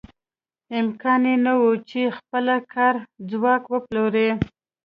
امکان یې نه و چې خپل کاري ځواک وپلوري.